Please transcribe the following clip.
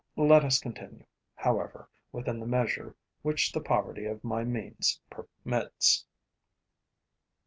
Let us continue, however, within the measure which the poverty of my means permits.